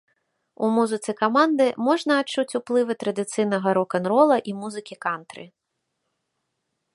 У музыцы каманды можна адчуць уплывы традыцыйнага рок-н-рола і музыкі кантры.